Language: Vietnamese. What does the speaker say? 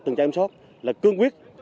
từng trang em sóc là cương quyết